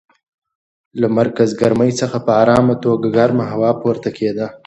له مرکز ګرمۍ څخه په ارامه توګه ګرمه هوا پورته کېده.